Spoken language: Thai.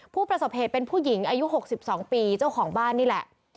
ผู้ประสบเหตุเป็นผู้หญิงอายุ๖๒ปีเจ้าของบ้านนี่แหละ